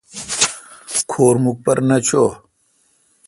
کھور مکھ پر نہ چو۔